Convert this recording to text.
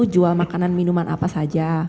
jual makanan minuman apa saja